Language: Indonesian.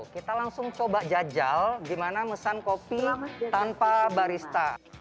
kita langsung coba jajal gimana mesan kopi tanpa barista